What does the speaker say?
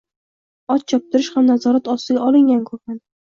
Ot choptirish ham nazorat ostiga olingan ko`rinadi